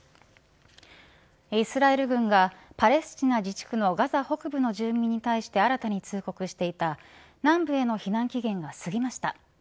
イスラエル軍がパレスチナ自治区のガザ北部の住民に対してアルタに通告していた南部への避難期限が過ぎました。